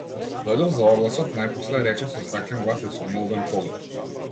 Дојдов за огласот, најпосле рече со стаклен глас и со молбен поглед.